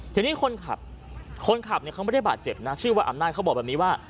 ทีนี้คนขับคนขับเนี่ยเขาไม่ได้บาดเจ็บนะชื่อว่าอำนาจเขาบอกแบบนี้ว่า